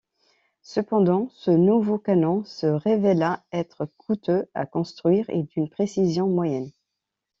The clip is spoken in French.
Cependant, ce nouveau canon se révéla être couteux à construire et d'une précision moyenne.